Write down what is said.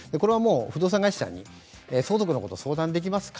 不動産会社に、相続のことを相談できますか？